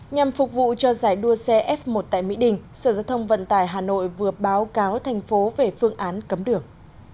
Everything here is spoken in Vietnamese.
nhằm phục vụ cho giải đua xe f một tại mỹ đình sở giao thông vận tải hà nội vừa báo cáo thành phố về phương án cấm đường